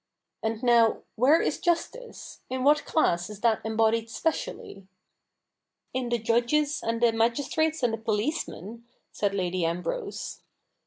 And now, where is justice? In what class is that embodied specially ?'' In the judges and the magistrates and the policemen, said Lady Ambrose.